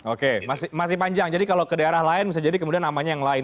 oke masih panjang jadi kalau ke daerah lain bisa jadi kemudian namanya yang lain